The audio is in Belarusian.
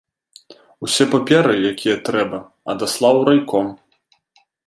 Усе паперы, якія трэба, адаслаў у райком.